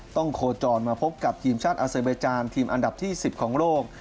โคจรมาพบกับทีมชาติอาเซเบจานทีมอันดับที่๑๐ของโลก